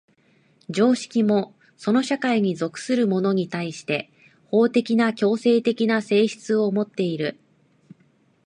常識もその社会に属する者に対して法的な強制的な性質をもっている。